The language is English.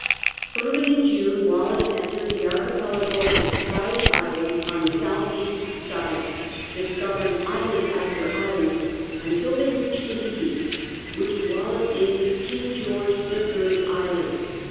Early in June Wallis entered the archipelago of the Society Islands on the south east side, discovering island after island, until they reached Tahiti, which Wallis named King George the Third's Island.